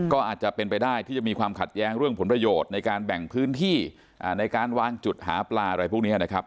ก็อาจจะเป็นไปได้ที่จะมีความขัดแย้งเรื่องผลประโยชน์ในการแบ่งพื้นที่ในการวางจุดหาปลาอะไรพวกนี้นะครับ